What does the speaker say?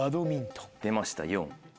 出ました４。